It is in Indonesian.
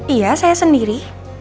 iya saya sendiri